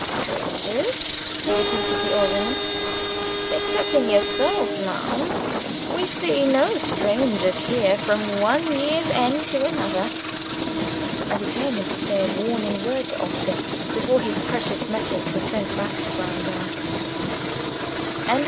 "Strangers?" repeated the old woman. "Excepting yourself, ma'am, we see no strangers here, from one year's end to another." I determined to say a warning word to Oscar before his precious metals were sent back to Browndown.